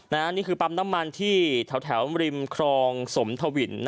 นี่คือปั๊มน้ำมันที่แถวริมครองสมทวิน